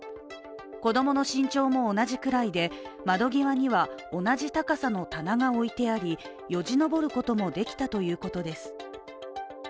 子供の身長も同じくらいで窓際には同じ高さの棚が置いてありよじ登ることもできたということです。